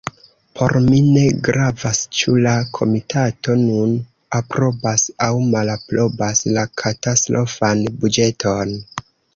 Por mi ne gravas, ĉu la komitato nun aprobas aŭ malaprobas la katastrofan buĝeton.